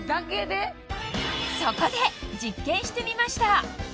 そこで実験してみました！